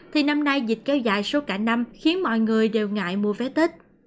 thì năm nay dịch kéo dài suốt cả năm khiến mọi người đều ngại mua vé tết